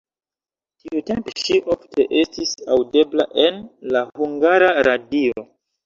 Tiutempe ŝi ofte estis aŭdebla en la Hungara Radio.